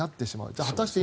じゃあ果たして